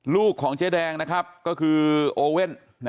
ลูกของเจ๊แดงนะครับก็คือโอเว่น